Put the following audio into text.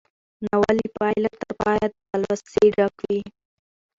ناول له پيله تر پايه له تلوسې ډک دی.